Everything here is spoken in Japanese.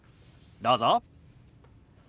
どうぞ。